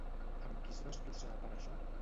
Amb qui es va estossar per això?